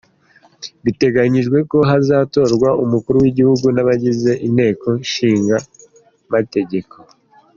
Biteganyijwe ko hazatorwa umukuru w’igihugu n’abagize inteko ishinga amategeko.